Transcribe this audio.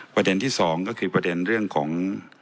ประเด็นที่๒ก็คือประเด็นเรื่องของ